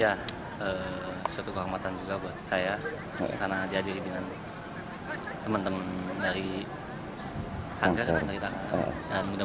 ya suatu kehormatan juga buat saya karena dihadiri dengan teman teman dari kanker